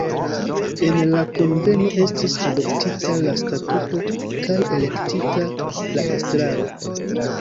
En la kunveno estis adoptita la statuto kaj elektita la estraro.